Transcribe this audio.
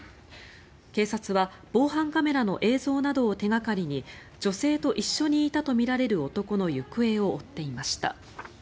警察は防犯カメラの映像などを手掛かりに女性と一緒にいたとみられる男の行方を追っていました。